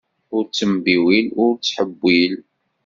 Ur ttembiwil, ur ttḥewwil!